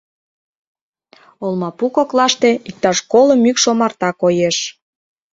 Олмапу коклаште иктаж коло мӱкшомарта коеш.